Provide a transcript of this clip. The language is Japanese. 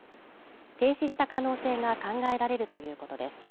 停止した可能性が考えられるということです。